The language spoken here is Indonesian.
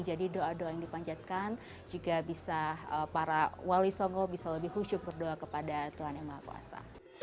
jadi doa doa yang dipanjatkan para wali songo bisa lebih hujuk berdoa kepada tuhan yang maha kuasa